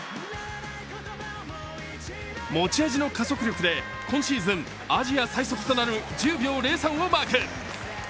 持ち味の加速力で今シーズンアジア最速となる１０秒０３をマーク。